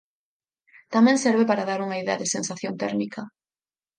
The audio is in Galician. Tamén serve para dar unha idea da sensación térmica.